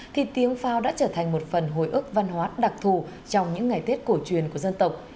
thì tiếng pháo đã trở thành một phần hồi ức văn hóa đặc thù trong những ngày tết cổ truyền của dân tộc